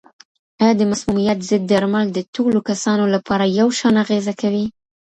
آیا د مسمومیت ضد درمل د ټولو کسانو لپاره یو شان اغېزه کوي؟